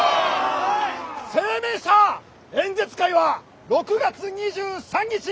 声明社演説会は６月２３日！